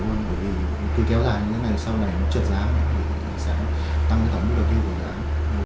bởi vì khi kéo dài như thế này sau này trượt giá thì sẽ tăng tấm đầu tiên của dự án